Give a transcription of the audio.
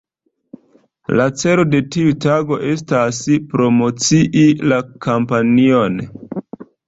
La celo de tiu tago estas promocii la kampanjon.